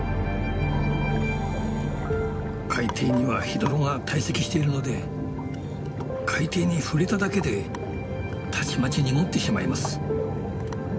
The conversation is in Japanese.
海底にはヘドロが堆積しているので海底に触れただけでたちまち濁ってしまいます。